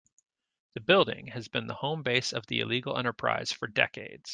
The building has been the home base of the illegal enterprise for decades.